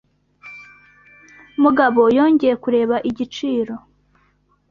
Mugabo yongeye kureba igiciro.